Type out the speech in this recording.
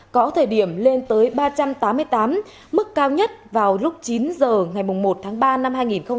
có thể điểm lên tới ba trăm tám mươi tám mức cao nhất vào lúc chín giờ ngày một tháng ba năm hai nghìn một mươi sáu